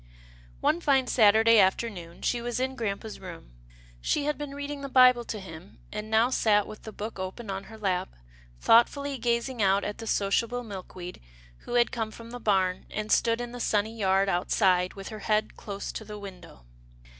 One fine Saturday afternoon she was in grampa's 80 MILD FORGIVENESS 81 room. She had been reading the Bible to him, and now sat with the book open on her lap, thoughtfully gazing out at the sociable Milkweed who had come from the barn, and stood in the sunny yard outside, with her head close to the window.